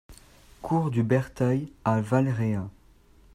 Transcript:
Cours du Berteuil à Valréas